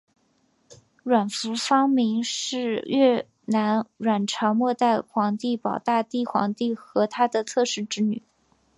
阮福芳明是越南阮朝末代皇帝保大帝皇帝和他的侧室之女。